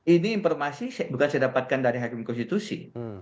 ini informasi bukan saya dapatkan dari hakim konstitusi